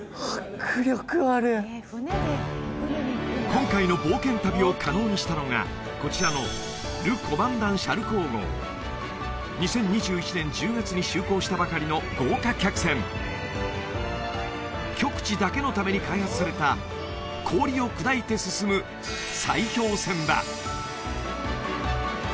今回の冒険旅を可能にしたのがこちらの２０２１年１０月に就航したばかりの豪華客船極地だけのために開発された氷を砕いて進む砕氷船だ